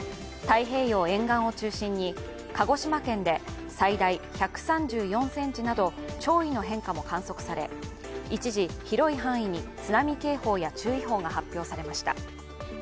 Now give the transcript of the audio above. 太平洋沿岸を中心に鹿児島県で最大１３４ｃｍなど潮位の変化も観測され、一時、広い範囲に津波警報や注意報が発表されました。